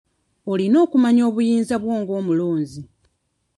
Olina okumanya obuyinza bwo ng'omulonzi.